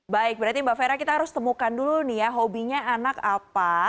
baik berarti mbak fera kita harus temukan dulu nih ya hobinya anak apa